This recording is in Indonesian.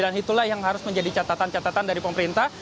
dan itulah yang harus menjadi catatan catatan dari pemerintah